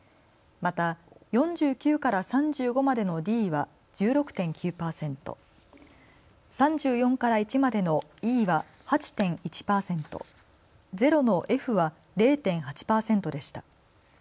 また４９から３５までのＤは１６．９％、３４から１までのＥは８．１％、０のＦは０．８％でした。